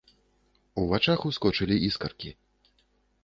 У вачах ускочылі іскаркі.